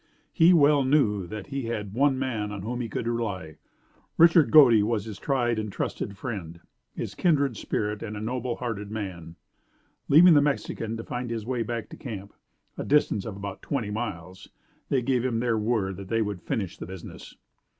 He well knew that he had one man on whom he could rely. Richard Godey was his tried and trusty friend, his kindred spirit and a noble hearted man. Leaving the Mexican to find his way back to camp, a distance of about twenty miles, they gave him their word that they would finish the business.